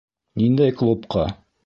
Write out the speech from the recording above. Ниндәй клубҡа?